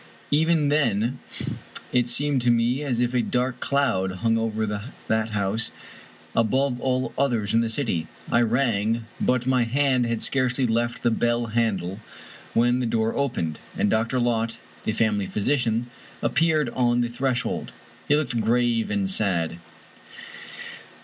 Even then it seemed to me as if a dark cloud hung over that house, above all others in the city. I rang, but my hand had scarcely left the bell handle when the door opened, and Dr. Lott, the family physician, appeared on the threshold. He looked grave and sad.